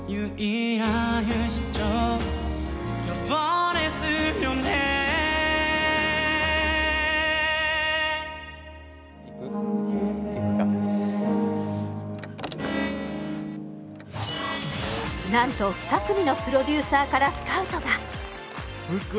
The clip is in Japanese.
いくかなんと２組のプロデューサーからスカウトが！